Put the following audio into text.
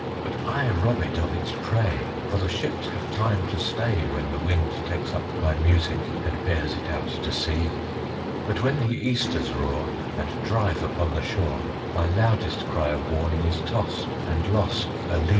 But I rob it of its prey, For the ships have time to stay, When the wind takes up my music And bears it out to sea; But when the Easters roar And drive upon the shore My loudest cry of warning Is tossed and lost a lee.